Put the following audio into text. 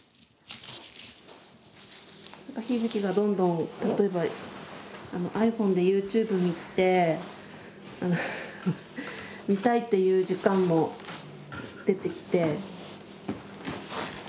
日々貴がどんどん例えばｉＰｈｏｎｅでＹｏｕＴｕｂｅ見て見たいっていう時間も出てきて。